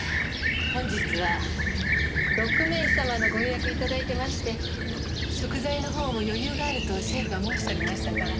本日は６名様のご予約いただいてまして食材の方も余裕があるとシェフが申しておりましたから。